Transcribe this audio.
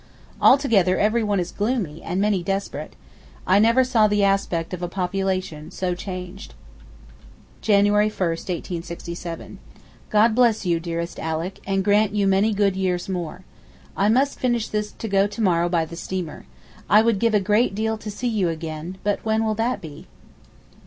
Altogether everyone is gloomy, and many desperate. I never saw the aspect of a population so changed. January 1, 1867. God bless you, dearest Alick, and grant you many good years more. I must finish this to go to morrow by the steamer. I would give a great deal to see you again, but when will that be?